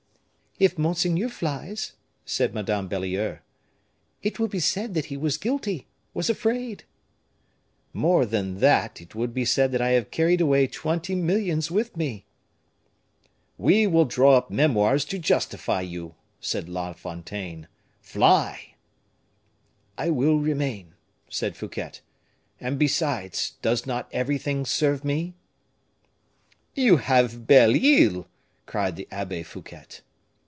"If monseigneur flies," said Madame Belliere, "it will be said that he was guilty was afraid." "More than that, it will be said that I have carried away twenty millions with me." "We will draw up memoirs to justify you," said La Fontaine. "Fly!" "I will remain," said Fouquet. "And, besides, does not everything serve me?" "You have Belle Isle," cried the Abbe Fouquet.